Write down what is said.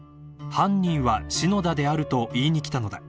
「犯人は篠田である」と言いに来たのだ］